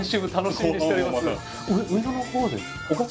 上野のほうですか？